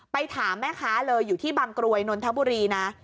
ถามแม่ค้าเลยอยู่ที่บางกรวยนนทบุรีนะ